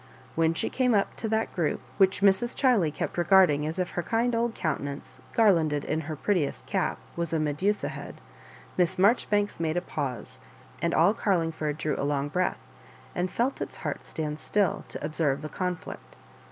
When she came up to that group, which Mrs. Chiley kept regarding as if her kind old countenance, garlanded in her prettiest cap, was a Medusa head. Miss Marjoribanks made a pause, and all Carlingford drew a long breath, and felt its heart stand still, to observe the conflict.